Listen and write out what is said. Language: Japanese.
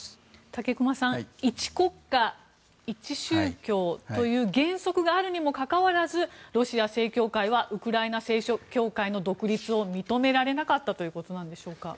武隈さん一国家一宗教という原則があるにもかかわらずロシア正教会はウクライナ正教会の独立を認められなかったということでしょうか。